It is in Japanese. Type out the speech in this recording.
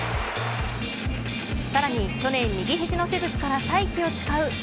さらに去年、右ひじの手術から再起を誓う